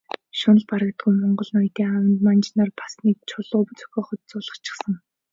Шунал нь барагддаггүй монгол ноёдын аманд манж нар бас нэгэн чулуу зохиогоод зуулгачихсан.